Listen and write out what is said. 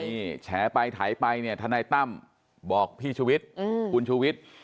นี่แฉไปถ่ายไปเนี้ยทนายต่ำบอกพี่ชูวิทย์อืมคุณชูวิทย์